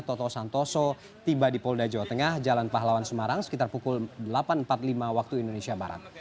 toto santoso tiba di polda jawa tengah jalan pahlawan semarang sekitar pukul delapan empat puluh lima waktu indonesia barat